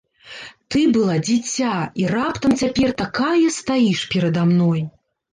Ты была дзіця і раптам цяпер такая стаіш перада мной!